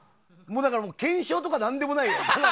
もうだから検証でも何でもないよ。